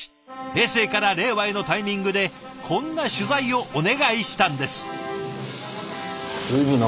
平成から令和へのタイミングでこんな取材をお願いしたんです。